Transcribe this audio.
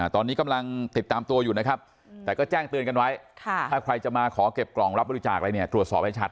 ตอนนี้กำลังติดตามตัวอยู่นะครับแต่ก็แจ้งเตือนกันไว้ถ้าใครจะมาขอเก็บกล่องรับบริจาคอะไรเนี่ยตรวจสอบให้ชัด